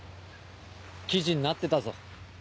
記事になってたぞ。